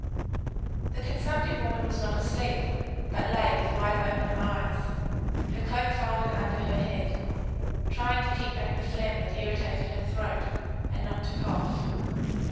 The consumptive woman was not asleep, but lay with wide open eyes, her cloak folded under her head, trying to keep back the phlegm that irritated her throat, and not to cough.